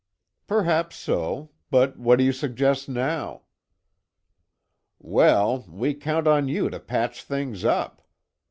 "Perhaps so. But what do you suggest now?" "Well, we count on you to patch things up.